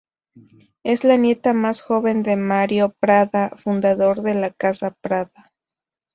Es la nieta más joven de Mario Prada, fundador de la casa Prada.